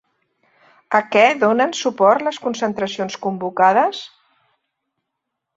A què donen suport les concentracions convocades?